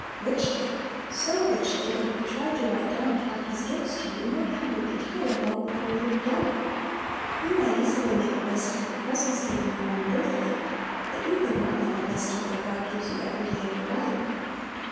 "Richly." So richly, that if you tried to write down half His gifts to you, your hand would be tired long before you had done. You might easily make a list of the presents given you on your birthday, but you could not make a list of what God gives you every day of your life.